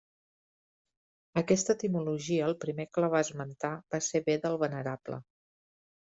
Aquesta etimologia el primer que la va esmentar va ser Beda el Venerable.